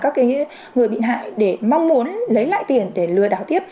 các người bị hại để mong muốn lấy lại tiền để lừa đảo tiếp